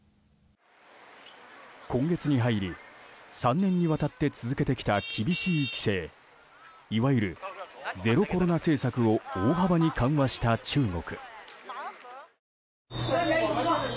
今月に入り、３年にわたって続けてきた厳しい規制いわゆるゼロコロナ政策を大幅に緩和した中国。